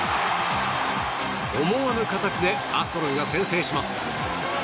思わぬ形でアストロズが先制します。